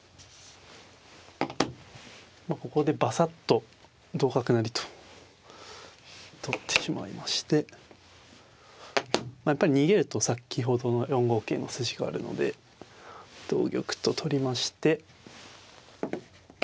ここでバサッと同角成と取ってしまいましてやっぱり逃げると先ほどの４五桂の筋があるので同玉と取りまして。